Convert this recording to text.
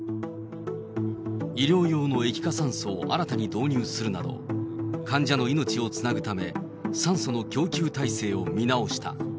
医療用の液化酸素を新たに導入するなど、患者の命をつなぐため、酸素の供給体制を見直した。